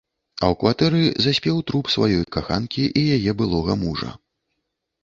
А ў кватэры заспеў труп сваёй каханкі і яе былога мужа.